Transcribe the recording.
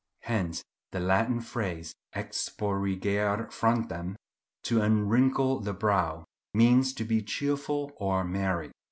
Hence the Latin phrase, exporrigere frontem—to unwrinkle the brow—means, to be cheerful or merry.